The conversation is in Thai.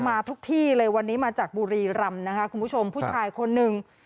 มาทุกที่เลยวันนี้มาจากบุรีรำนะคะคุณผู้ชมผู้ชายคนหนึ่ง